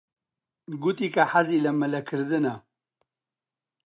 گوتی کە حەزی لە مەلەکردنە.